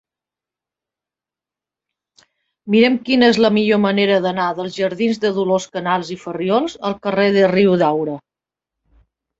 Mira'm quina és la millor manera d'anar dels jardins de Dolors Canals i Farriols al carrer de Riudaura.